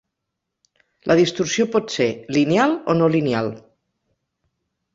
La distorsió pot ser lineal o no lineal.